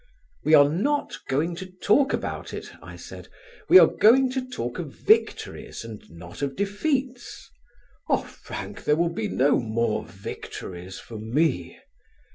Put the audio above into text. "We are not going to talk about it," I said; "we are going to talk of victories and not of defeats." "Ah, Frank, there will be no more victories for me."